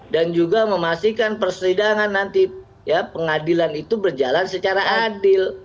dan juga memastikan perseridangan nanti ya pengadilan itu berjalan secara adil